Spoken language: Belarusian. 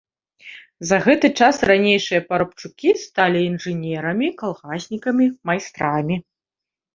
За гэты час ранейшыя парабчукі сталі інжынерамі, калгаснікамі, майстрамі.